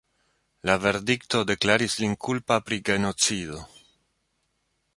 La verdikto deklaris lin kulpa pri genocido.